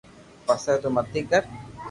پسي بي متي ڪر